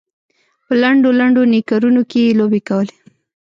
په لنډو لنډو نیکرونو کې یې لوبې کولې.